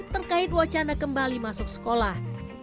terkait wacana kembali masuk sekolah